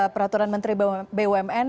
peraturan menteri bumn